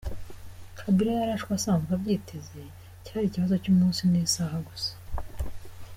Kabila yarashwe asanzwe abyiteze, cyari ikibazo cy’umunsi n’isaha gusa.